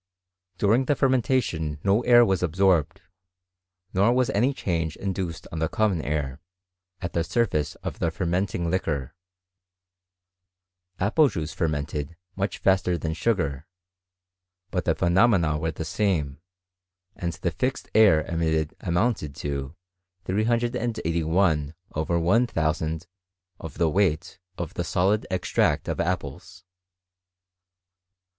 During the fermentation no air was absorbed, nor wa3 any change induced on the common air, at the surface of the fermenting liquor. Apple juice fermented much faster than sugar ; but the phenomena were the same, and the fixed air emittea amounted to ^ of the weight of the solid extract of apples.